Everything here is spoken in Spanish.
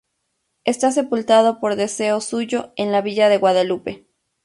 Está sepultado, por deseo suyo, en la Villa de Guadalupe.